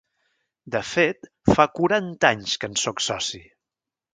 De fet, fa quaranta anys que en sóc soci.